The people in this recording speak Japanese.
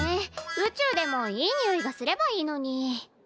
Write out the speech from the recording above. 宇宙でもいいにおいがすればいいのに。